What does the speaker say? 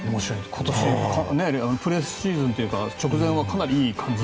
今年、プレシーズンというか直前はかなりいい感じで。